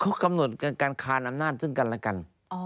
เขากำหนดการคานอำนาจซึ่งกันและกัน